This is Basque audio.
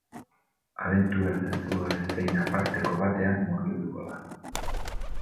Abentura zentzugabe zein aparteko batean murgilduko da.